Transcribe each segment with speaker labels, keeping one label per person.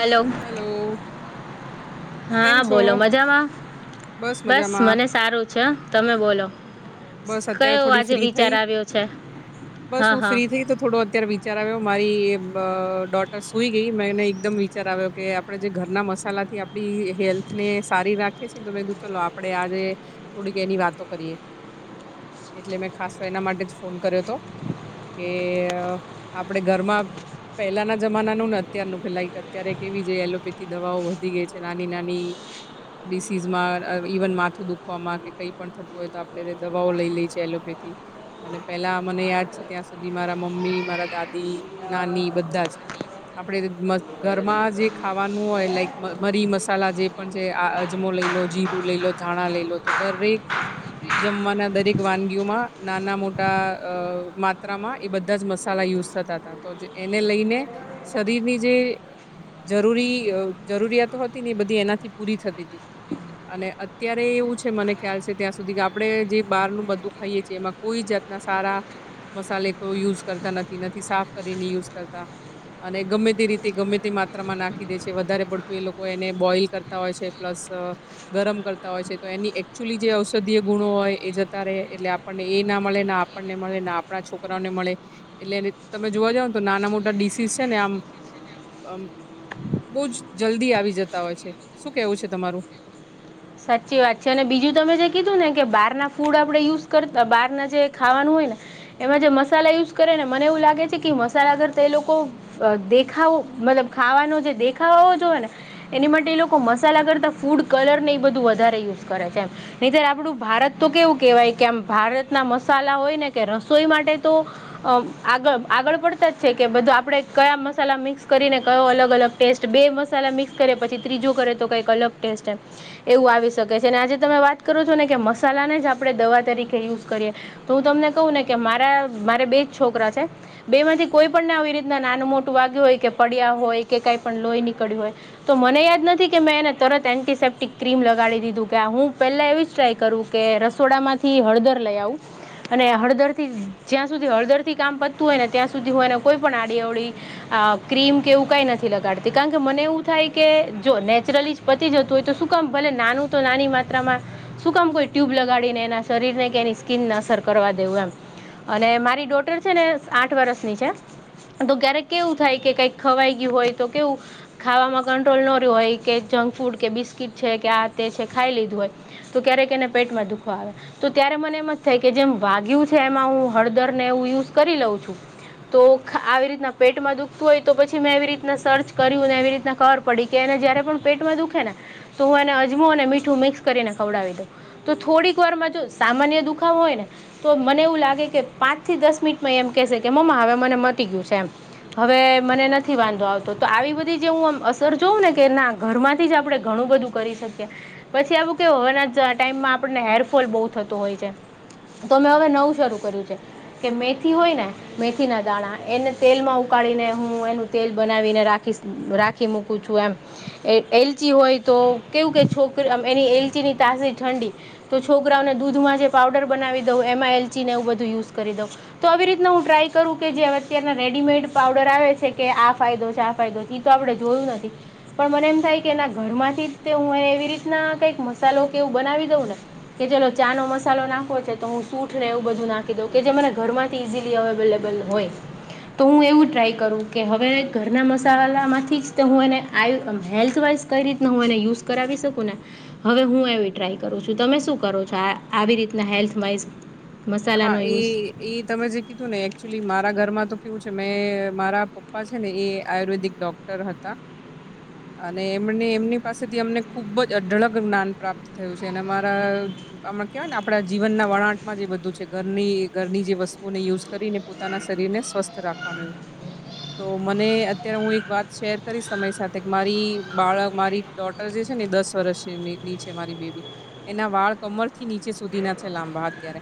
Speaker 1: Hello
Speaker 2: hello.
Speaker 1: હા
Speaker 2: કેમ છો
Speaker 1: બોલો મજામાં બસ મને સારું છે તમે બોલો
Speaker 2: બસ અત્યારે
Speaker 1: કયો
Speaker 2: થોડી
Speaker 1: આજે
Speaker 2: ફ્રી થઈ
Speaker 1: વિચાર આવ્યો છે
Speaker 2: બસ
Speaker 1: હા
Speaker 2: હું
Speaker 1: હા
Speaker 2: ફ્રી થઈ તો થોડો અત્યારે વિચાર આવ્યો મારી ડોટર અ સુઈ ગઈ મેં એને એકદમ વિચાર આવ્યો કે આપણે જે ઘરના મસાલાથી આપ ણી હેલ્થ ને સારી રાખીએ છે એને તો ચલો આપડે આજે થોડીક એની વાતો કરીએ. એટલે મેં ખાસ તો એના માટે જ ફોન કર્યો હતો કે આપણે ઘરમાં પહેલાના જમાનાનું ને અત્યારનું કે લાઈક અત્યારે કેવી જે એલોપેથી દવાઓ વધી ગઈ છે નાની નાની ડિસીઝમાં ઇવન માથું દુખવામાં કે કઈ પણ થતું હોય તો આપણે દવાઓ લઈ લઈએ છીએ એલોપેથી અને પેલા મને યાદ છે ત્યાં સુધી મારા મમ્મી મારા દાદી નાની બધા જ આપડે ઘરમાં જે ખાવાનું હોય લાઈક મરી મસાલા જે પણ જે આ અજમો લઈ લો જીરું લઈ લો ધાણા લઈ લો તો દરેક જમવાના દરેક વાનગીઓમાં નાના મોટા અ માત્રામાં એ બધા જ મસાલા યુઝ થતા હતા. તો એને લઈને શરીરની જે જરૂરી જરૂરિયાતો હતી ને બધી એનાથી પૂરી થતી હતી. અને અત્યારે એવું છે મને ખ્યાલ છે ત્યાં સુધી સુધી આપડે જે બહાર નું બધું ખાઈએ છીએ એમાં કોઈ જાતના સારા મસાલે કોઈ યુઝ કરતા નથી નથી સાફ કરીને યુઝ કરતા અને ગમે તે રીતે ગમે તે માત્રામાં નાખી દે છે વધારે પડતું એ લોકો એને બોઈલ કરતા હોય છે. પ્લસ ગરમ કરતા હોય છે તો એની એકચ્યુઅલી જે અ ઔષદીય ગુણો હોય એ જતા રહે એટલે આપણને એ ના મળે ના આપણને મળે ના આપણા છોકરાઓને મળે એટલે તમે જોવા જાવ ને તો નાના મોટા ડીસીસ છે ને આમ બહુ જ જલ્દી આવી જતા હોય છે શું કેવું છે તમારું
Speaker 1: સાચી વાત છે અને બીજું તમે જે કીધું ને કે બહાર ના ફૂડ આપણેે યુઝ કરતા બાર ના જે ખાવાનું હોય ને એમાં જે મસાલા યુઝ કરે ને મને એવું લાગે છે કે મસાલા કરતા તે લોકો દેખાવો મતલબ ખાવાનો જે દેખાવો હોવો જોવે ને એની માટે એ લોકો મસાલા કરતા ફૂડ કલર ને એ બધું વધારે યુઝ કરે છે એમ નહીં તર આપડું ભારત તો કેવું કેવાય કે આમ ભારતના મસાલા હોય ને કે રસોઈ માટે તો અ આગળ આગળ પડતા જ છે કે બધું આપણે કયા મસાલા મિક્સ કરીને કયો અલગ અલગ ટેસ્ટ બે મસાલા મિક્સ કરે પછી ત્રીજું કરે તો કઈક અલગ ટેસ્ટ એવું આવી શકે છે અને આજે તમે વાત કરો છો ને કે મસાલાને જ આપડે દવા તરીકે યુઝ કરીએ તો હું તમને કહું ને કે મારા મારે બેજ છોકરા છે બે માંથી કોઈ પણ આવી રીતના નાનું મોટું વાગ્યું હોય કે પડ્યા હોય કે કઈ પણ લોહી નીકળ્યું હોય તો મને યાદ નથી કે મેં એને તરત એન્ટીસેપ્ટિક ક્રીમ લગાડી દીધું કે આ હું પેલા એવી જ ટ્રાય કરવું કે રસોડા માંથી હળદર લઈ આવું અને હળદર થી જ્યાં સુધી હળદર થી કામ પતું હોય ને ત્યાં સુધી હો એને કોઈ પણ આડી અવડી આ ક્રીમ કે એવું કઈ નથી લગાડતી કારણ કે મને એવું થાય કે જો નેચરલી પતી જતું હોય તો શું કામ ભલે નાનું તો નાની માત્રામાં શું કામ કોઈ ટ્યુબ લગાડીને એના શરીર ને કે એની સ્કીનને અસર કરવા દેવું એમ અને મારી ડોટર છે ને આઠ વર્ષની છે તો ક્યારેક કેવું થાય કે કઈક ખવાઈ ગયું હોય તો કેવું ખાવામાં કંટ્રોલ ન રહ્યો હોય કે જંક ફૂડ કે બિસ્કીટ છે કે આ તે છે ખાઈ લીધું હોય તો ક્યારેક એને પેટમાં દુખો આવે તો ત્યારે મને એમ જ થાય કે જેમ વાગ્યું છે એમાં હું હળદર ને એવું યુઝ કરી લઉ છું તો આવી રીતના પેટમાં દુખતું હોય તો પછી મેં એવી રીતના સર્ચ કર્યું એવી રીતના કર પડી કે એને જયારે પણ પેટમાં દુખે ને તો હું એને અજમો અને મીઠું મિક્સ કરીને ખવડાવી દઉ તો થોડીક વારમાં જો સામાન્ય દુખાો હોય ને તો મને એવું લાગે કે પાંચ થી દસ મિનિટમાં એમ કેશે કે મમ્મા હવે મને મટી ગયું છે એમ હવે મને નથી વાંધો આવતો તો આવી બધી જે હું આમ અસર જોઉં ને કે ના ઘરમાંથી જ આપડે ઘણું બધું કરી શકીએ પછી આવું કેના ટાઈમમાં આપણને હેરફોલ બહુ થતું હોય છે તો મેં હવે નવું શરૂ કર્યું છે કે મેથી હોય ને મેથીના દાણા એને તેલમાં ઉકાળીને હું એનું તેલ બનાવીને રાખી રાખી મૂકું છું એમ એલચી હોય તો કેવું કે છોકરી એની એલચી ની તાસી ઠંડી તો છોકરાઓને દૂધમાં જે પાવડર બનાવી દઉ એમાં એલચી ને એવું બધું યુઝ કરી દઉં તો આવી રીતના હું ટ્રાય કરું કે જે અતારના રેડીમેડ પાવડર આવે છે કે આ ફાયદો છે આ ફાયદો એ તો આપડે જોયું નથી પણ મને એમ થાય કે એના ઘરમાંથી તે હું એવી રીતના કઈક મસાલો કેવું બનાવી દઉં ને કે જેલો ચા નો મસાલો નાખો છે તો હું સૂઠને એવું બધું નાખી દઉં કે જે મને ઘરમાં ઇઝીલી અવેલેબલ હોય તો હું એવું ટ્રાય કરું કે હવે ઘરના મસાલામાંથી જ હું એને આ હેલ્થવાઈઝ કઈ રીતના હું એને યુઝ કરાવી શકું ને હવે હું એવી ટ્રાય કરું છું તમે શું કરો છો આવી રીતના હેલ્થ વાઈઝ
Speaker 2: હા એ તમે જે કીધું ને એકચુલી મારા ઘરમાં તો કેવું છે મેં મારા પપ્પા છે ને એ આયુર્વેદિક ડોક્ટર હતા અને એમને એમની પાસેથી અમને ખુબ જ અઢળક જ્ઞાન પ્રાપ્ત થયું છે અને અરાણા કેવાય ને આપડા જીવનના વળંટમાં જે બધું ઘરની ઘરની જે વસ્તુઓને યુઝ કરીને પોતાના શરીરને સ્વસ્થ રાખવાનું એવુ તો મને અત્યારે હું એક વાત શેર કરીશ સમરી સાથે કે મારી બાળક મારી ટોટલ જે છે ને દસ વર્ષ ની છે મારી બેબી એના વાળ કમર થી નીચે સુધી ના છે લાંબા અત્યારે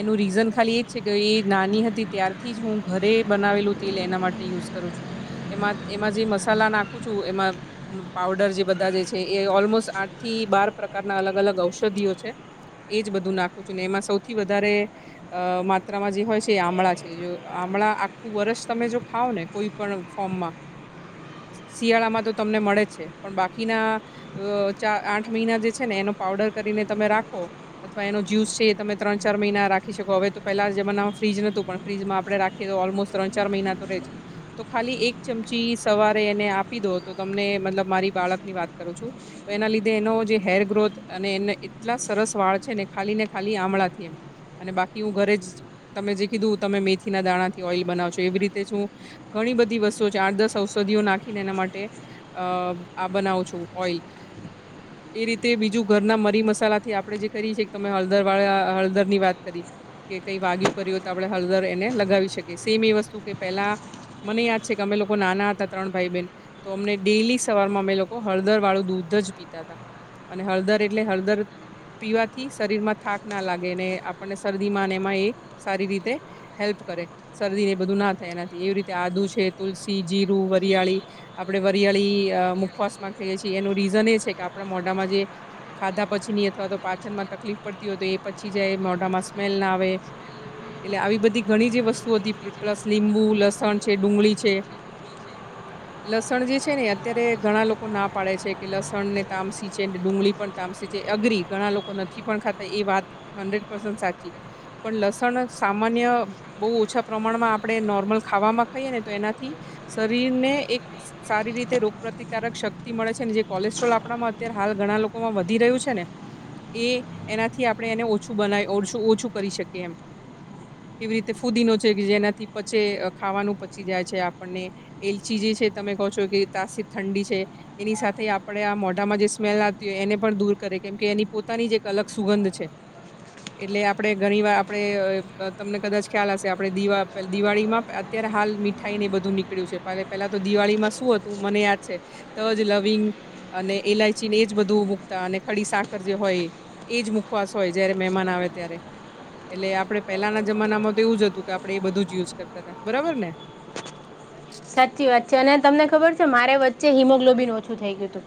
Speaker 2: એનું રીઝન ખાલી એજ છે કે એ નાની હતી ત્યારથી જ હું ઘરે બનાવેલું તેલ એના માટે યુઝ કરું છું એમાં એમાં જે મસાલા નાખું છું એમાં પાવડર જે બધા જે છે એ ઓલમોસ્ટ આઠ થી બાર પ્રકારના અલગ અલગ ઔષધિઓ છે એજ બધું નાખું છું ને એમાં સૌથી વધારે અ માત્રામાં જે હોય છે એ આમળા છે આમળા આખું વરષ તમે જો ખાવ ને કોઈ પણ ફોર્મમાં શિયાળા માં તો તમને મળે છે પણ બાકીના અ ચાર આઠ મહિના જે છે ને એનો પાવડર કરીને તમે રાખો અથવા એનો જ્યુસ છે એ તમે ત્રણ ચાર મહિના રાખી શકો હવે તો પેલા જમાનામાં ફ્રીજ નો હોતું પણ ફ્રીજમાં આપે રાખીએ તો ઓલમોસ્ટ ત્રણ ચાર મહિના તો રેજ તો ખાલી એક ચમચી સવારે એને આપી દો તો તમને મતલબ મારી બાળક ની વાત કરું છું. તો એના લીધે એનો જે હેર ગ્રોથ અને એને એટલા સરસ વાળ છે ને ખાલી ને ખાલી આમળા અને બાકી હું ઘરે જ તમે જે કીધું તમે મેથીના દાણા થી ઓઇલ બનાવશો એવી રીતે જ હું ઘણી બધી વસ્તુ છે આઠ દસ ઔષધિઓ નાખીને એના માટે અ આ બનાવું છું ઓઈલ એ રીતે બીજું ઘરના મરી મસાલાથી આપણે જે કરીએ છીએ કે તમે હળદરવાળા અ ઘર ની વાત કરી કે કઈ વાગયુ કર્યું હો તો આપણે હળદર એને લગાવી શકીએ સેમ એ વસ્તુ કે પેલા મને યાદ છે કે અમે લોકો નાના હતા ત્રણ ભાઈ બેન તો અમને ડેલી સવારમાં અમે લોકો હળદર વાળું દૂધ જ પીતા હતા. અને હળદર એટલે હળદર પીવાથી શરીર માં થાક ના લાગે એને આપણને શરદીમાં એમાં એક સારી રીતે હેલ્પ કરે શરદી ને એ બધું ના થાય એનાથી એવી રીતે આદુ છે તુલસી જીરું વરિયાળી આપડણે વરિયાળી મુખવાસ માં કઈએ છીએ એનું રીઝન એ છે કે આપણા મોઢામાં જે ખાધા પછી ની અથવા તો પાચન માં તકલીફ પડતી હોય તો એ પછી જાય મોઢામાં સ્મેલ ના આવે એટલે આવી બધી ઘણી જે વસ્તુ હતી પ્લસ લીંબુ લસણ છે ડુંગળી છે. [inaudible] લસણ જે છે ને અત્યારે ઘણા લોકો ના પાડે છે કે લસણ ને તામ સીચે ને ડુંગળી પણ અગરી ઘણા લોકો નથી પણ ખાતા એ વાત હંડ્રેડ પ્રસન્ટ સાચી પણ લસણ સામાન્ય બહુ ઓછા પ્રમાણમાં આપણે નોર્મલ ખાવામાં ખાઈએ ને તો એનાથી શરીરને એક સારી રીતે રોગપ્રતિકારક શક્તિ મળે છે ને જે કોલેસ્ટ્રોલ આપણામાં અત્યારે હાલ ઘણા લોકોમાં વધી રહ્યું છે ને એ એનાથી આપણે એને ઓછું બનાવી ઓ ઓછું કરી શકીએ એમ. કેવી રીતે ફૂદીનો છે જેનાથી પચે ખાવાનું પચી જાય છે આપણને એલચી જે છે તમે કહો છો કે તાસી ઠંડી છે. એની સાથે આપણેે આ મોઢામાં જે સ્મેલ આવતી હોય એને પણ દૂર કરે કેમ કે એની પોતાની જે એક અલગ સુગંધ છે. એટલે આપડે ઘણી વાર આપડે તમને કદાચ ખ્યાલ હશે આપે દિવા પેલા દિવાળીમાં અત્યારે હાલ મીઠાઈ ને બધું નીકળ્યું છે પેલા તો દિવાળી માં શું હતું મને યાદ છે તજ લવિંગ અને ઈલાયચીને એજ બધું મૂકતા અને ખડી સાકર જે હોય એજ મુખવાસ હોય જયારે મહેમાન આવે ત્યારે એટલે આપડે પેલાના જમાના માં તો એવું જ હતું કે આપણેે એ બધું જ યુઝ કરતા હતા બરાબર ને
Speaker 1: સાચી વાત છે અને તમને ખબર છે મારે વચ્ચે હિમોગ્લોબિન ઓછું થઈ ગયું હતું.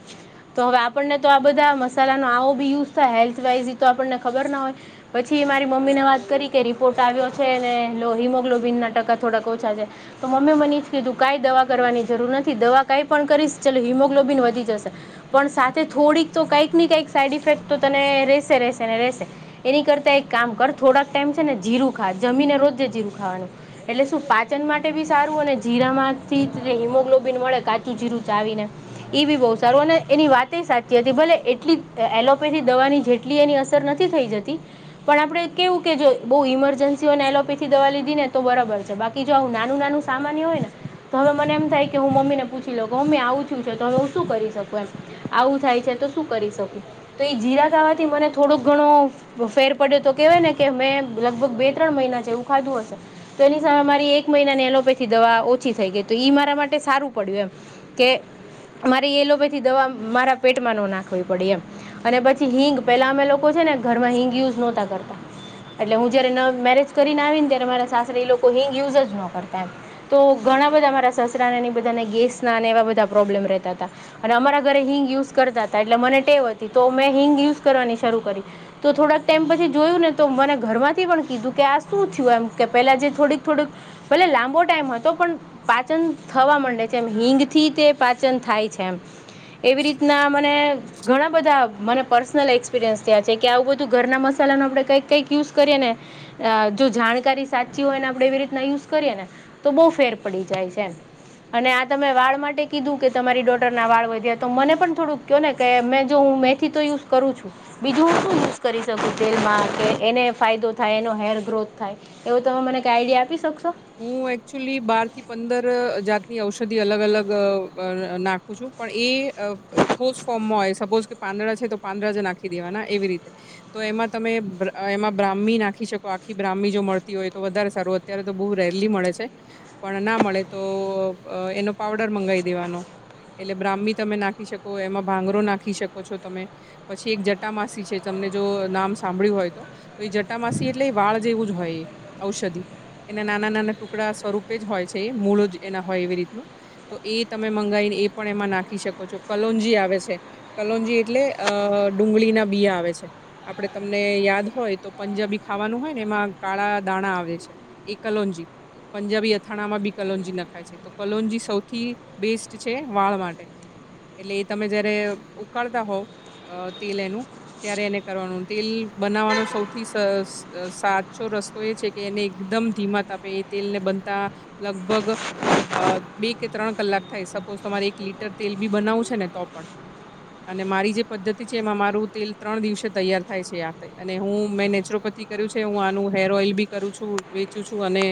Speaker 1: તો હવે આપણને તો આ બધા મસાલાનો આવો બી યુઝ થાય હેલ્થ વાઈઝ આપણને ખબર ના હોય પછી મારી મમ્મીને વાત કરી કે રિપોર્ટ આવ્યો છે ને લો હિમોગ્લોબિનના ટકા થોડાક ઓછા છે. તો મમ્મી મની જ કીધું કાઈ દવા કરવાની જરૂર નથી દવા કઈ પણ કરીશ ચાલ હિમોગ્લોબિન વધી જશે. પણ સાથે થોડીક તો કઈક ને કઈક સાઈડ ઇફેક્ટ તો તને રેશે રેશે ને રેશે એની કરતા એક કામ કર થોડાક ટાઈમ છે ને જીરું ખા જમીને રોજ જીરું ખાવાનું એટલે શું પાચન માટે બી સારું અને જીરામાંથી હિમોગ્લોબિન મળે કાચું જીરું ચાવી ને એ બી બહુ સારું અને એની વાત સાચી હતી ભલે એટલી એલોપેથી દવાની જે કે એની અસર નથી થઈ જતી પણ આપણેે કેવું કે જો બહુ ઈમરજન્સીઓને એલોપેથી દવા લીધી ને તો બરાબર છે બાકી જો આવુ નાનું નાનું કામ ની હોય ને તો હવે મને એમ થાય કે હું મમ્મી ને પૂછી લઉ કે મમ્મી આવુ થયું છે તો હવે હું શું કરી શકુ એમ આવું થાય છે તો શું કરી શકું તો એ જીરા ખાવાથી મને થોડોક ઘણો ફેર પડે તો કેવાય ને કે મેં લગભગ બે ત્રણ મહિના છે જેવું ખાધું હશે. તો એની સામે મારી એક મહિના ને એલોપે થી દવા ઓછી થઈ ગઈ તો ઈ મારા માટે સારું પડ્યું એમ કે. મારે એલોપેથી દવા મારા પેટમાં ન નાખવી પડે એમ અને પછી હિંગ પેલા અમે લોકો છે ને ઘરમાં હિંગ યુઝ નોતા કરતા. એટલે હું જયારે ન મેરેજ કરીને આવી ને ત્યારે મારા સાસરી એ લોકો હિંગ યુઝ જ નો કરતા એમ. તો ઘણા બધા મારા સસરા ની બધાને ગેસ ના ને એવા બધા પ્રોબ્લેમ રહેતા હતા. અને અમારા ઘરે હિંગ યુઝ કરતા હતા એટલે મને ટેવ હતી તો મેં હિંગ યુઝ કરવાની શરૂ કરી તો થોડાક ટાઈમ પછી જોયું ને તો મને ઘર માંથી પણ કીધું કે આ શું થયું એમ કે પેલા જે થોડીક થોડીક ભલે લામબોડ. તો પણ પાચન થવા મડે છે એમ હિંગ થી તે પાચન થાય છે એમ. એવી રીતના મને. ઘણા બધા મને પર્સનલ એક્સપિરિયન્સ થયાં છે કે આવું બધું ઘરના મસાલાનો આપણે કંઈક કંઈક યુઝ કરીએ ને અ જો જાણકારી સાચી હોય ને આપડે એવી રીતના યુઝ કરીએે ને તો બહુ ફેર પડી જાય છે એમ. અને આ તમે વાળ માટે કીધું કે તમારી ડોટર ના વાળ વધ્યા તો મને પણ થોડુંક કયો ને કેં મેં જો હું મેથી તો યુઝ કરું છું. બીજું હું શું યુઝ કરી શકું તેલમાં કે એને ફાયદો થાય એનો હેર ગ્રોથ થાય. એવું તમે મને આઈડીયા આપી શકશો.
Speaker 2: હું એકચુલી બાર થી પંદર અ જાતની ઔષધિ અલગ અલગ અ નાખું છું પણ ઈ અ ઠોસ ફોર્મમાં હોય સપોઝ કે પાંદડા છે તો પાંદડા જ નાખી દેવાના એવી રીતે તો એમાં તમે અ એમાં બ્રાહ્મી નાખી શકો આખી બ્રાહ્મી જો મળતી હોય તો વધારે સારું અત્યારે તો બહુ રેરલી મળે છે પણ ના મળે તો અ એનો પાવડર મંગાવી દેવાનો. એટલે બ્રાહ્મી તમે નાખી શકો એમાં ભાંગરો નાખી શકો છો તમે પછી એક જટા માસી છે તમને જો નામ સાંભળ્યું હોય તો. તો એ જટામાસી એટલે એ વાળ જેવું જ હોય એ ઔષધિ એના નાના નાના ટુકડા સ્વરૂપે જ હોય છે એ મૂળો જ એના હોય એવી રીતનું તો એ તમે મંગાવીને એ પણ એમાં નાખી શકો છો કલોન્જી આવે છે. કલોજી એટલે અ ડુંગળી ના બીયા આવે છે. આપડે તમને યાદ હોય તો પંજાબી ખાવાનું હોય ને એમાં કાળા દાણા આવે છે. એ કલોજી પંજાબી અથાણા માં બી કલોજી નખાય છે. તો કોલોનજી સૌથી બેસ્ટ છે વાળ માટે. એટલે એ તમે જયારે ઉકાળતા હો અ તેલ એનું ત્યારે એને કરવાનું તેલ બનાવવાનો સૌથી સ સાચો રસ્તો એ છે કે એને એકદમ ધીમા તાપે એ તેલ ને બનતા લગભગ અ બે કે ત્રણ કલાક થાય સપોઝ તમારે એક લીટર તેલ બી બનાવું છે ને તો પણ અને મારી જે પદ્ધતિ છે એમાં મારું તેલ ત્રણ દિવસે તૈયાર થાય છે આ અને હું મેં નેચરોપથી કર્યું છે હું આનું હેર ઓઈલ બી કરું છું વેચું છું અને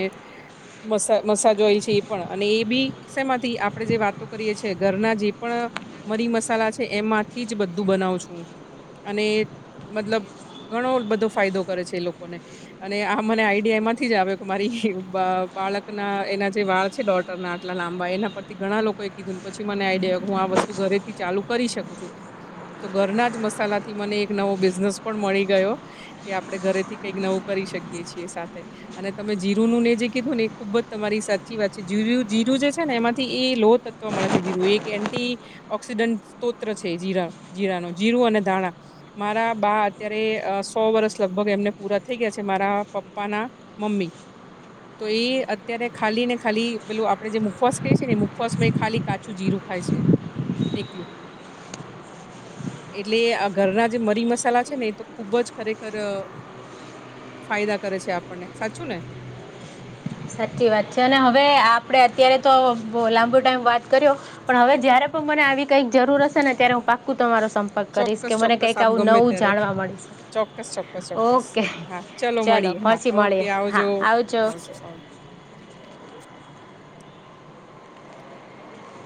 Speaker 2: મસા મસાજ હોય છે એ પણ અને એ બી શેમાંથી આપણે જે વાતો કરીએ છીએ ઘરના જે પણ મરી મસાલા છે એમાંથી જ બધું બનાવ છું અને મતલબ ઘણો બધો ફાયદો કરે છે એ લોકોને અને આ મને આઈડિયામાં જ આવે મારી બ બાળક ના એના જે વાળ છે ડોટર ના આટલા લાંબા એના પર તે ઘણા લોકોએ કીધુંને પછી મને આઈડ હું આ વસ્તુ ઘરે થી ચાલુ કરી શકું છું. તો ઘરના જ મસાલા થી મને એક નવો બિઝનેસ પણ મળી ગયો. કે આપડણે ઘરેથી કઈક નવું કરી શકીય છીએ સાથે. અને તમે જીરું નું ને જે કીધું ને એ ખુબ જ તમારી સાચી વાત છે જીર જીરું જે છે ને એમાંથી એ લો ત મળે છે જીરું એક એન્ટી ઓક્સિડન્ટ સ્ત્રોત છે જીરા જીરા નો જીરું અને ધાણા મારા બા અત્યારે અ સો વર્ષ લગભગ એમને પૂરા થઈ ગયા છે મારા પપ્પાના મમ્મી. તો અત્યારે ખાલી ને ખાલી પેલું આપડણે જે મુખવાસ કહી છીએ ને મુખવાસ માં એ ખાલી કાચું જીરું ખાય છે એકલું. એટલે આ ઘરના જે મરી મસાલા છે ને એ તો ખુબ જ ખરેખર ફાયદા કરે છે આપણને સાચું ને?
Speaker 1: સાચી વાત છે અને હવે આપડે અત્યારે તો લાંબો ટાઈમ વાત કર્યો પણ હવે જયારે મને આવી કઈક જરૂર હશે ને ત્યારે હું પાકું તો તમારો સંપર્ક કરીશ
Speaker 2: ચોક્કસ
Speaker 1: કે મને
Speaker 2: ચોક્કસ
Speaker 1: કંઈક
Speaker 2: આપ
Speaker 1: આવું
Speaker 2: ગમે
Speaker 1: નવું
Speaker 2: ત્યારે
Speaker 1: જાણવા મળીશ.
Speaker 2: ચોક્કસ ચોક્કસ ચોક્કસ
Speaker 1: ઓકે
Speaker 2: હા
Speaker 1: ચલો
Speaker 2: મળીએ હા
Speaker 1: પછી
Speaker 2: ઓકે
Speaker 1: મળી. હા
Speaker 2: આવજો
Speaker 1: આવજો.
Speaker 2: આવજો